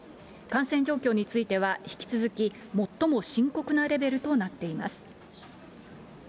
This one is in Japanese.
感染状況については、引き続き、最も深刻なレベルとなっています。